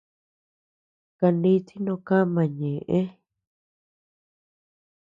Kaniti noo kama ñeʼe.